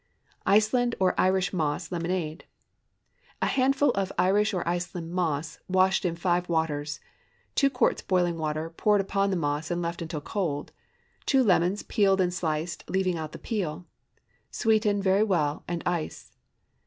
ICELAND OR IRISH MOSS LEMONADE. ✠ 1 handful Irish or Iceland moss, washed in five waters. 2 quarts boiling water, poured upon the moss, and left until cold. 2 lemons, peeled and sliced, leaving out the peel. Sweeten very well and ice.